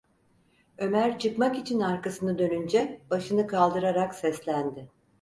Ömer çıkmak için arkasını dönünce başını kaldırarak seslendi: